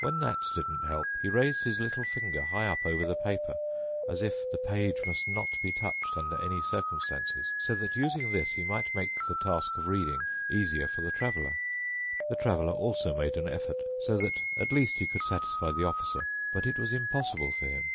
When that didn't help, he raised his little finger high up over the paper, as if the page must not be touched under any circumstances, so that using this he might make the task of reading easier for the Traveler. The Traveler also made an effort so that at least he could satisfy the Officer, but it was impossible for him.